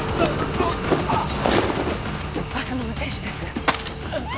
バスの運転手です